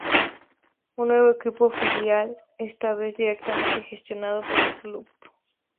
Un nuevo equipo filial, esta vez directamente gestionado por el Club.